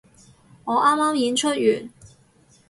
我啱啱演出完